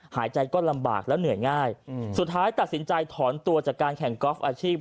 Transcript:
หายใจก็ลำบากแล้วเหนื่อยง่ายสุดท้ายตัดสินใจถอนตัวจากการแข่งกอล์ฟอาชีพ